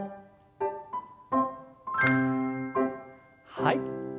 はい。